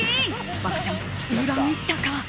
漠ちゃん、裏切ったか？